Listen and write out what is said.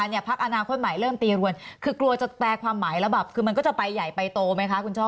พักอนาคตใหม่เริ่มตีรวนคือกลัวจะแปลความหมายแล้วแบบคือมันก็จะไปใหญ่ไปโตไหมคะคุณช่อ